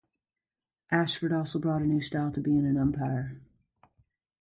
Ashford also brought a new style to being an umpire.